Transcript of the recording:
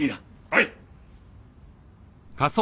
はい！